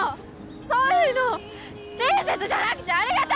そういうの親切じゃなくてありがた